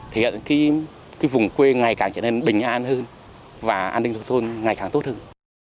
thể hiện cái vùng quê ngày càng trở nên bình an hơn và an ninh nông thôn ngày càng tốt hơn